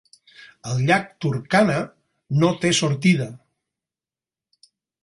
El llac Turkana no té sortida.